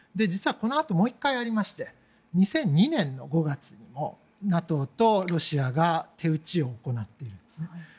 実はこのあともう１回ありまして２００２年の５月にもＮＡＴＯとロシアが手打ちを行っているんですね。